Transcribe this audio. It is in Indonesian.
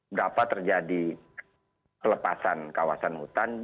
berapa terjadi pelepasan kawasan hutan